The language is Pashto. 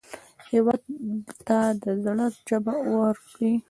هېواد ته د زړه ژبه ورکړئ